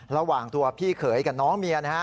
ระหว่างตัวพี่เขยกับน้องเมียนะฮะ